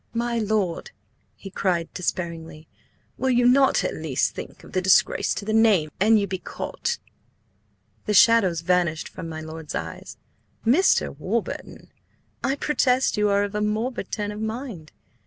"My lord!" he cried despairingly, "Will you not at least think of the disgrace to the name an you be caught?" The shadows vanished from my lord's eyes. "Mr. Warburton, I protest you are of a morbid turn of mind!